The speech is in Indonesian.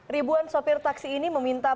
ribuan sopir taksi ini meminta